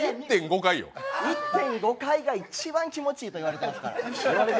１．５回が一番気持ちいいといわれてるから。